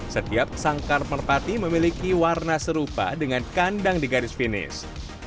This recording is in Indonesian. setiap sangkar merpati memiliki warna serupa dengan kandang di garis finish